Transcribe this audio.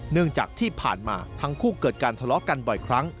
เนื่องจากที่ผ่านมาทั้งคู่เกิดการทะเลาะกันบ่อยครั้ง